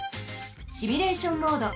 シミュレーション・モード。